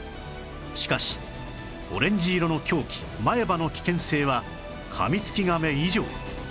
しかしオレンジ色の凶器前歯の危険性はカミツキガメ以上